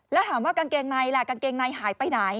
แล้วถามว่ากางเกงในหายไปไหน